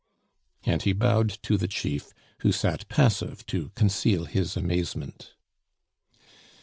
'" And he bowed to the chief, who sat passive to conceal his amazement.